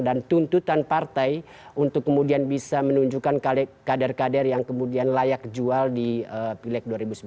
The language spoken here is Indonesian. dan tuntutan partai untuk kemudian bisa menunjukkan kader kader yang kemudian layak jual di pileg dua ribu sembilan belas